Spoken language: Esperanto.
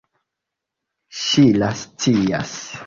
Ŝila scias.